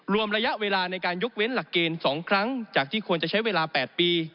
รวมระยะเวลาในการยกเว้นหลักเกณฑ์๒ครั้งจากที่ควรจะใช้เวลา๘ปี